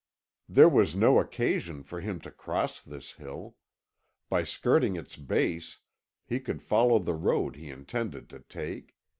There was no occasion for him to cross this hill; by skirting its base he could follow the road he intended to take.